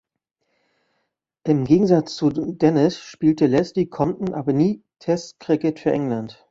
Im Gegensatz zu Denis spielte Leslie Compton aber nie Test Cricket für England.